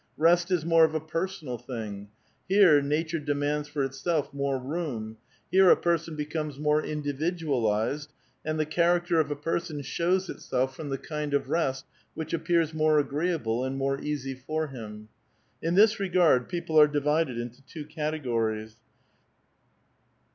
Rest is more of a personal thing ; here nature demands for itself more room ; here a person becomes more individualized, and the character of a person shows itself from the kind of rest which appeal's more agi ee able and more easy for him. '' In this regard people are divided into two categories.